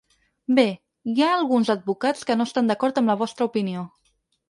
Bé, hi ha alguns advocats que no estan d’acord amb la vostra opinió.